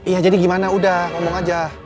iya jadi gimana udah ngomong aja